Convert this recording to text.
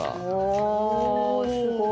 おすごい。